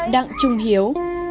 đặng trung hiếu